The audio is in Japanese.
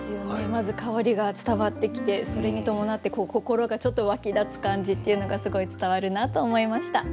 まず香りが伝わってきてそれに伴って心がちょっと沸き立つ感じっていうのがすごい伝わるなと思いました。